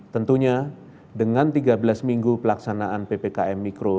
tentunya dengan tiga belas minggu pelaksanaan ppkm mikro